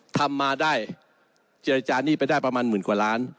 ทำมาได้เจรจาหนี้ไปได้ประมาณหมื่นกว่าล้าน